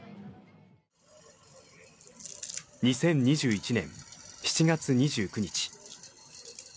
２０２１年７月２９日。